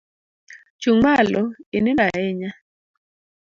Chung malo , inindo ahinya